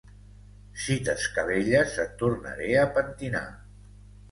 Si t'escabelles et tornaré a pentinar.